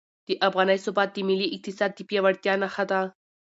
د افغانۍ ثبات د ملي اقتصاد د پیاوړتیا نښه ده.